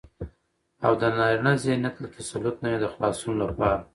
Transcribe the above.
او دنارينه ذهنيت له تسلط نه يې د خلاصون لپاره